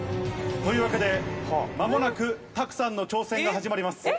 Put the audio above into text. というわけで、まもなく拓さんの挑戦が始まります。